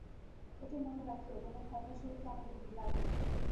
এটি মনে রাখিও, কোন ধর্মের সহিত আমাদের বিবাদ নাই।